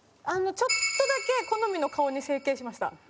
あのちょっとだけ好みの顔に整形しました。